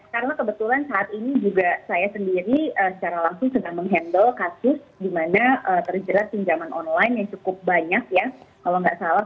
karena kebetulan saat ini juga saya sendiri secara langsung sedang menghandle kasus